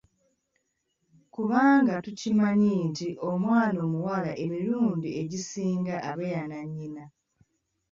Kubanga tukimanyi nti omwana omuwala emirundi egisinga abeera nannyina.